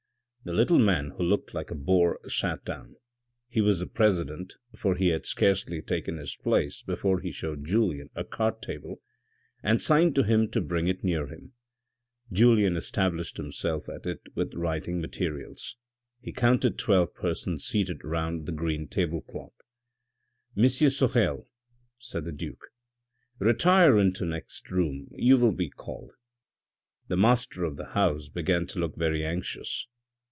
The little man who looked like a boar sat down. He was the president, for he had scarcely taken his place before he showed Julien a card table and signed to him to bring it near him. Julien established himself at it with writing materials. He counted twelve persons seated round the green table cloth. " M. Sorel," said the Duke, " retire into next room, you will be called." The master of the house began to look very anxious.